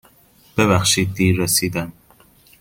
ببخشید دیر رسیدم.